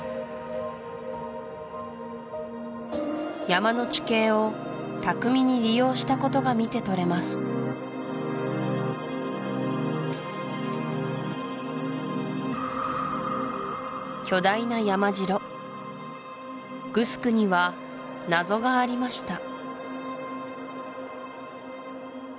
山の地形を巧みに利用したことが見て取れます巨大な山城グスクには謎がありました